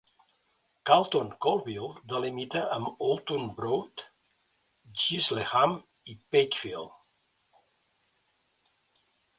Carlton Colville delimita amb Oulton Broad, Gisleham i Pakefield.